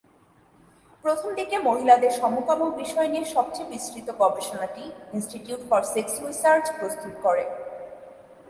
প্রথমদিকে মহিলাদের সমকাম বিষয়ে সবচেয়ে বিস্তৃত গবেষণাটি 'ইন্সটিটিউট ফর সেক্স রিসার্চ' প্রস্তুত করে।